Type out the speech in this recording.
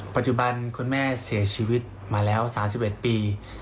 ปัจจุบันคุณแม่เสียชีวิตมาแล้ว๓๗ปี